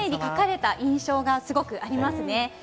丁寧に書かれた印象がすごくありますね。